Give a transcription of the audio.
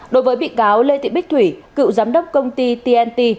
đối với bị cáo lê thị bích thủy cựu giám đốc công ty tnt